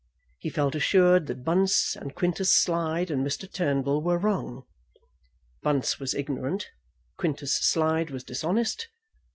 He felt assured that Bunce and Quintus Slide and Mr. Turnbull were wrong. Bunce was ignorant. Quintus Slide was dishonest.